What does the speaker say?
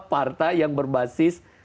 partai yang berbasis